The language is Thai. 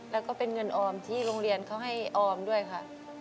แล้วก็เป็นเงินออมที่โรงเรียนเขาให้ออมด้วยค่ะ